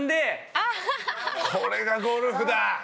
これがゴルフだ。